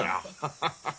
ハハハハ。